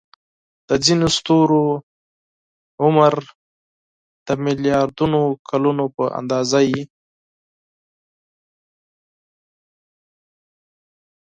د ځینو ستورو عمر د ملیاردونو کلونو په اندازه وي.